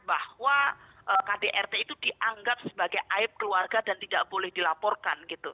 bahwa kdrt itu dianggap sebagai aib keluarga dan tidak boleh dilaporkan gitu